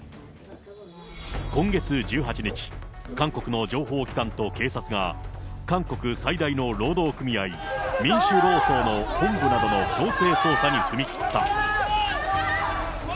今月１８日、韓国の情報機関と警察が、韓国最大の労働組合、民主労総の本部などの強制捜査に踏み切った。